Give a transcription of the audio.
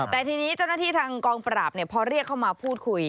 แต่ทีนี้เจ้าหน้าที่ทางกองปราบพอเรียกเข้ามาพูดคุย